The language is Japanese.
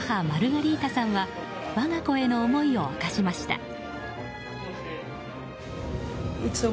マルガリータさんは我が子への思いを明かしました。